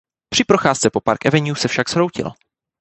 Při procházce po Park Avenue se však zhroutil.